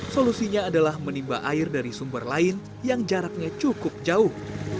solusinya adalah menimba air dari sumber lain yang jaraknya cukup jauh